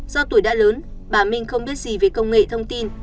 do tuổi đã lớn bà minh không biết gì về công nghệ thông tin